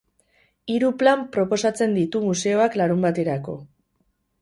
Hiru plan proposatzen ditu museoak larunbaterako.